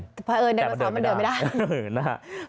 แต่พระเอิญมันเดินไม่ได้